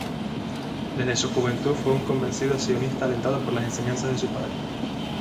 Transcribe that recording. Desde su juventud fue un convencido sionista alentado por las enseñanzas de su padre.